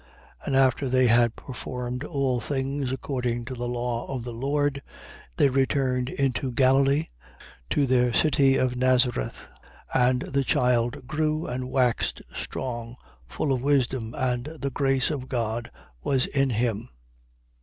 2:39. And after they had performed all things according to the law of the Lord, they returned into Galilee, to their city Nazareth. 2:40. And the child grew and waxed strong, full of wisdom: and the grace of God was in him.